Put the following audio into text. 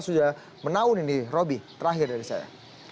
sudah menaun ini roby terakhir dari saya